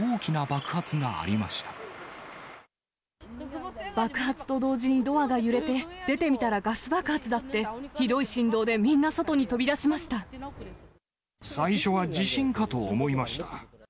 爆発と同時にドアが揺れて、出てみたらガス爆発だって、ひどい振動で、みんな外に飛び出最初は地震かと思いました。